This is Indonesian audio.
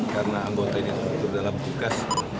karena anggota ini terdalam tugas